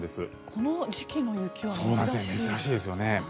この時期の雪は珍しいですね。